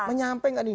menyampai gak nih